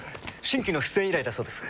新規の出演依頼だそうです。